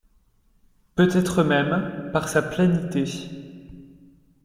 Peut-être même, par sa planité